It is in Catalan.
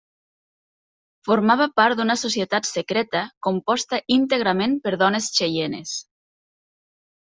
Formava part d'una societat secreta composta íntegrament per dones xeienes.